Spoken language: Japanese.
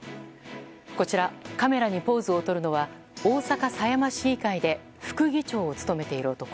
こちらカメラにポーズをとるのは大阪狭山市議会で副議長を務めている男。